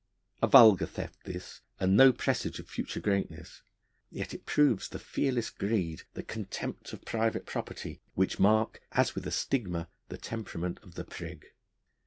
A vulgar theft this, and no presage of future greatness; yet it proves the fearless greed, the contempt of private property, which mark as with a stigma the temperament of the prig.